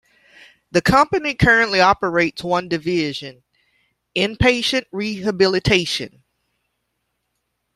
The company currently operates one division: inpatient rehabilitation.